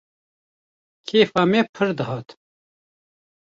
Kêfa me pir dihat